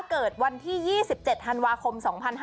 เกิดวันที่๒๗ธันวาคม๒๕๕๙